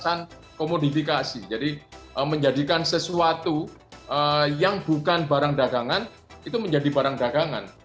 berdasarkan komodifikasi jadi menjadikan sesuatu yang bukan barang dagangan itu menjadi barang dagangan